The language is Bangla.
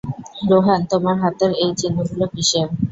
রোহান, তোমার হাতের এই চিহ্নগুলি কিসের?